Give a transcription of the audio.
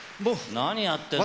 何やってんの？